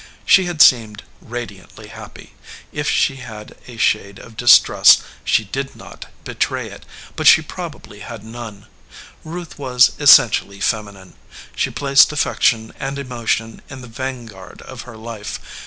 She had seemed ra diantly happy. If she had a shade of distrust, she did not betray it ; but she probably had none. Ruth was essentially feminine. She placed affection and emotion in the vanguard of her life.